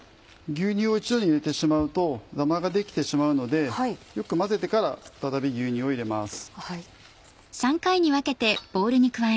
牛乳を一度に入れてしまうとダマが出来てしまうのでよく混ぜてから再び牛乳を入れます。